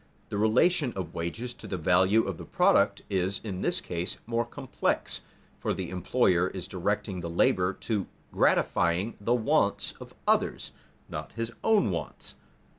_ The relation of wages to the value of the product is in this case more complex, for the employer is directing the labor to gratifying the wants of others, not his own wants.